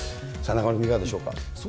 中丸君、いかがでしょうか。